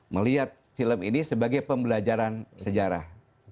melihat film ini sebagai pembelajaran sejarah